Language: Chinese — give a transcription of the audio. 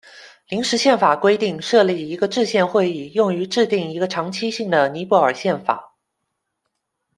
临时宪法规定设立一个制宪会议用于制订一个长期性的尼泊尔宪法。